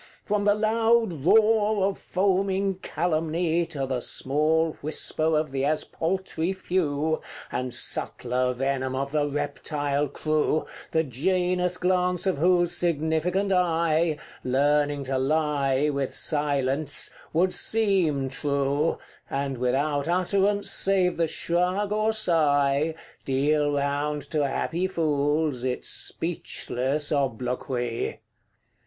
From the loud roar of foaming calumny To the small whisper of the as paltry few And subtler venom of the reptile crew, The Janus glance of whose significant eye, Learning to lie with silence, would SEEM true, And without utterance, save the shrug or sigh, Deal round to happy fools its speechless obloquy.